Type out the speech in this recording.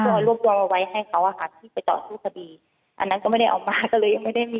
อันนั้นก็ไม่ได้ออกมาก็เลยยังไม่ได้มีรักษาอะไรให้แม็กซ์ดูจุดนั้นด้วย